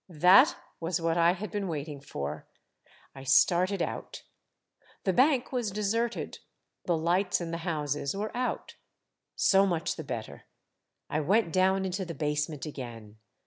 That was what I had been waiting for ! I started out. The bank was deserted, the lights in the houses were out. So much the better. I went down into the basement again.